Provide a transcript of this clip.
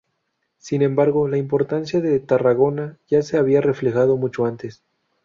Sin embargo la importancia de Tarragona ya se había reflejado mucho antes.